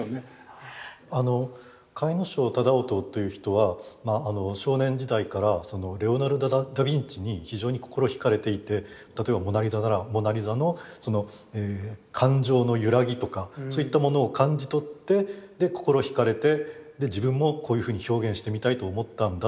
甲斐荘楠音という人は少年時代からレオナルド・ダ・ヴィンチに非常に心ひかれていて例えばモナリザならモナリザのその感情のゆらぎとかそういったものを感じ取ってで心ひかれて自分もこういうふうに表現してみたいと思ったんだと思うんですね。